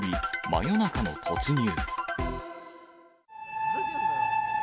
真夜中の突入。